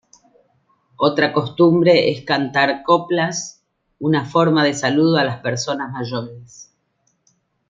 Otra costumbre es cantar coplas una forma de saludo a las personas mayores.